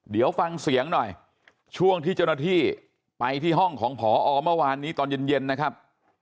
เดี๋ยวฟังเสียงหน่อยช่วงที่เจ้าหน้าที่ไปที่ห้องของผอเมื่อวานนี้ตอนเย็นนะครับ